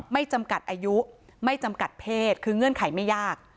ไม่จำกัดอายุไม่จำกัดเพศคือเงื่อนไขไม่ยาก